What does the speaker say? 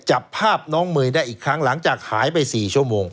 จับภาพน้องเมย์ได้อีกครั้งหลังจากหายไป๔ชั่วโมง